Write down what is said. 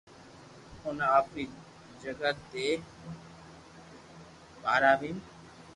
اوني آپري جگھ تي ٻآراوين